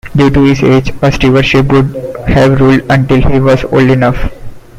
Due to his age, a stewardship would have ruled until he was old enough.